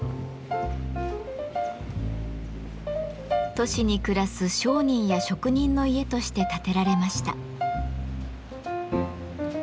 都市に暮らす商人や職人の家として建てられました。